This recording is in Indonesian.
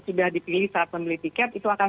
sudah dipilih saat membeli tiket itu akan